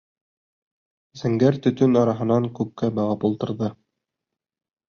Зәңгәр төтөн араһынан күккә бағып ултырҙы.